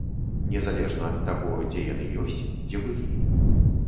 Незалежна ад таго, дзе яны ёсць, дзе былі.